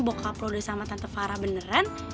bapak lo sama tante farah beneran